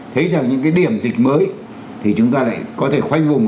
thấy rằng những cái điểm dịch mới thì chúng ta lại có thể khoanh vùng